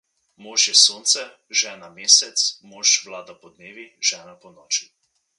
Mož je Sonce, žena Mesec, mož vlada podnevi, žena ponoči.